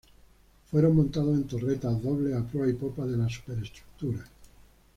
Fueron montados en torretas dobles a proa y popa de la superestructura.